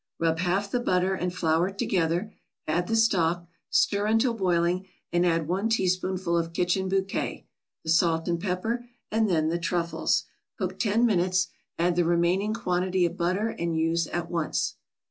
Rub half the butter and flour together, add the stock, stir until boiling and add one teaspoonful of kitchen bouquet, the salt and pepper, and then the truffles; cook ten minutes, add the remaining quantity of butter and use at once.